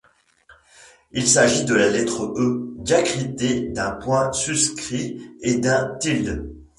Il s’agit de la lettre E diacritée d’un point suscrit et d’un tilde.